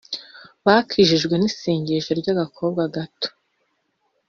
Bakijijwe n’isengesho ry’agakobwa gato